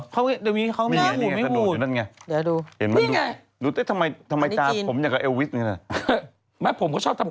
คนไทยสร้างเหรอ